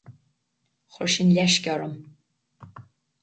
Chuir sin leisc orm.